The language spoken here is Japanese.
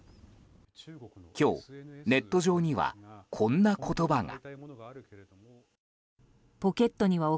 今日、ネット上にはこんな言葉が。